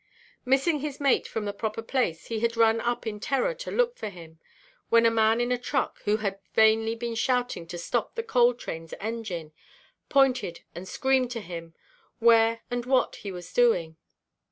Missing his mate from the proper place, he had run up in terror to look for him, when a man in a truck, who had vainly been shouting to stop the coal–trainʼs engine, pointed and screamed to him where and what was doing.